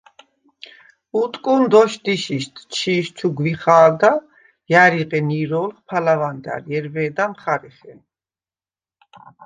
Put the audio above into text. უტკუნ დოშდიშიშდ ჩი̄ს ჩუ გვიხა̄ლდა, ჲარი ღენ ირო̄ლხ ფალავანდარ ჲერვე̄და მხარეხენ.